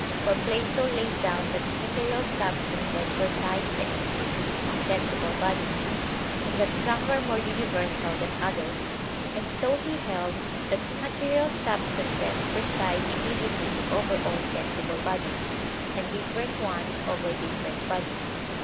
For Plato laid down that immaterial substances were types and species of sensible bodies; and that some were more universal than others; and so he held that immaterial substances preside immediately over all sensible bodies, and different ones over different bodies.